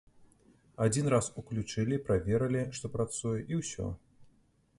Адзін раз уключылі, праверылі, што працуе, і ўсё.